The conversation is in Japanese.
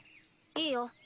いいよ。